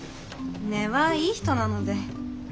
根はいい人なので。